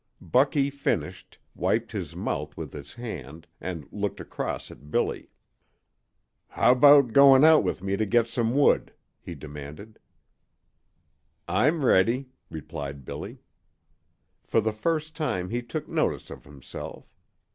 Bucky finished, wiped his mouth with his hand, and looked across at Billy. "How about going out with me to get some wood?" he demanded. "I'm ready," replied Billy. For the first time he took notice of himself.